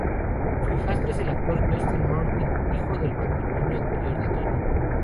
Su hijastro es el actor Justin Martin, hijo del matrimonio anterior de Tony.